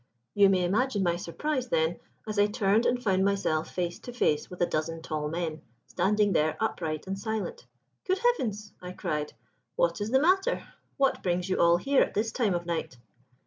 You may imagine my surprise, then, as I turned and found myself face to face with a dozen tall men, standing there upright and silent. "'Good Heavens!' I cried, 'what is the matter? What brings you all here at this time of night?'